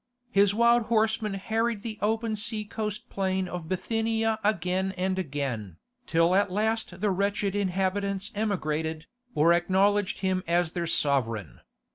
His wild horsemen harried the open sea coast plain of Bithynia again and again, till at last the wretched inhabitants emigrated, or acknowledged him as their sovereign.